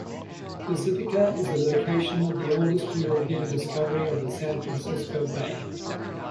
Pacifica is the location of the oldest European discovery of the San Francisco Bay.